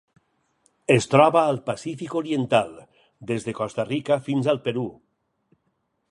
Es troba al Pacífic oriental: des de Costa Rica fins al Perú.